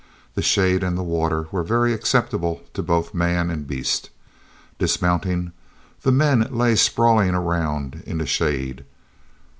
The shade and the water were very acceptable to both man and beast; dismounting, the men lay sprawling around in the shade.